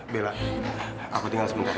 bella aku tinggal sebentar ya